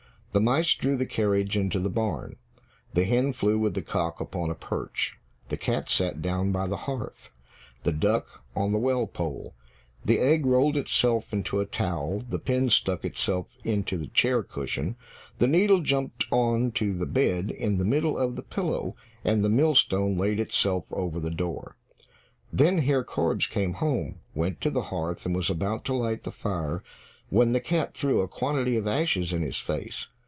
The mice drew the carriage into the barn, the hen flew with the cock upon a perch. The cat sat down by the hearth, the duck on the well pole. The egg rolled itself into a towel, the pin stuck itself into the chair cushion, the needle jumped on to the bed in the middle of the pillow, and the millstone laid itself over the door. Then Herr Korbes came home, went to the hearth, and was about to light the fire, when the cat threw a quantity of ashes in his face.